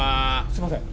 すいません。